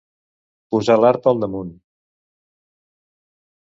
Posar l'arpa al damunt.